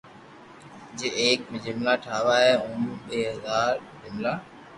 جي ايڪ ھي جملا ٺاوا اي مون ٻو ھزار جملا